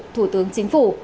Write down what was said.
thủ tướng chính phủ